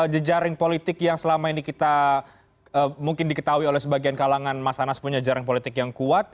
jejaring politik yang selama ini kita mungkin diketahui oleh sebagian kalangan mas anas punya jarang politik yang kuat